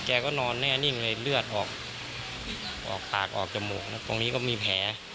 แกก็นอนแน่นิ่งเลยเลือดออกออกปากออกจมูกตรงนี้ก็มีแผล